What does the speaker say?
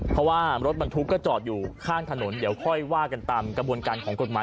เพราะว่ารถบรรทุกก็จอดอยู่ข้างถนนเดี๋ยวค่อยว่ากันตามกระบวนการของกฎหมาย